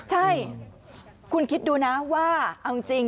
ใช่คุณคิดดูนะว่าเอาจริง